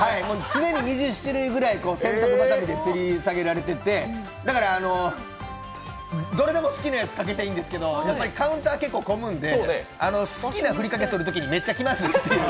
常に２０種類ぐらい洗濯ばさみでつり下げられててだからどれでも好きなやつ、かけていいんですけど、カウンター、結構、混むんで、好きなふりかけとるときにめっちゃ気まずい。